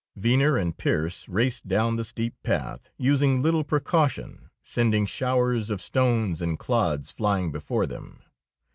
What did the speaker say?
Venner and Pearse raced down the steep path, using little precaution, sending showers of stones and clods flying before them.